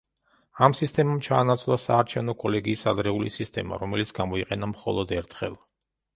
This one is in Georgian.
ამ სისტემამ ჩაანაცვლა საარჩევნო კოლეგიის ადრეული სისტემა, რომელიც გამოიყენა მხოლოდ ერთხელ.